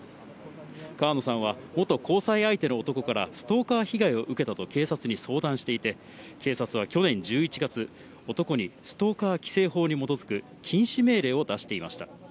川野さんは、元交際相手の男からストーカー被害を受けたと警察に相談していて、警察は去年１１月、男にストーカー規制法に基づく禁止命令を出していました。